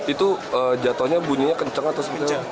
itu jatuhnya bunyinya kenceng atau sebenarnya